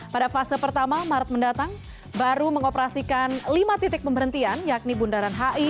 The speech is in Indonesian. pada fase pertama maret mendatang baru mengoperasikan lima titik pemberhentian yakni bundaran hi